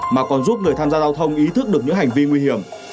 mà còn giúp người tham gia giao thông ý thức được những hành vi nguy hiểm